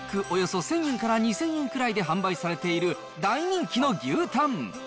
およそ１０００円から２０００円くらいで販売されている大人気の牛タン。